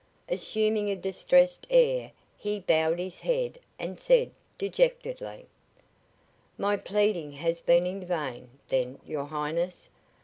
Assuming a distressed air he bowed his head and said, dejectedly: "My pleading has been in vain, then, your Highness.